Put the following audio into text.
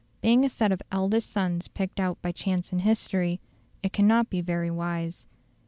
Being a set of eldest sons picked out by chance and history, it cannot be very wise.